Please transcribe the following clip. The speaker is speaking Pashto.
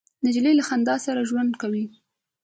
نجلۍ له خندا سره ژوند کوي.